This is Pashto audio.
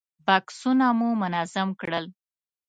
بکسونه مو منظم کړل.